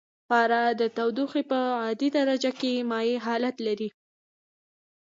پاره د تودوخې په عادي درجه کې مایع حالت لري.